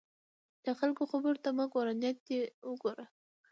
د خلکو خبرو ته مه ګوره، نیت ته یې وګوره.